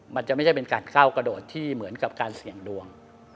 มันจะไม่ใช่เป็นการก้าวกระโดดที่เหมือนกับการเสี่ยงดวง